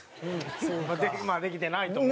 まあできてないと思う。